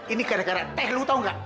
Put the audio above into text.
ini gara gara teh lo tau gak